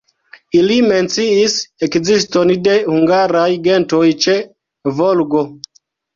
Ili menciis ekziston de hungaraj gentoj ĉe Volgo.